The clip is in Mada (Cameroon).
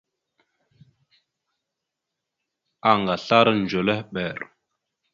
Anga aslara ndzœlœhɓer.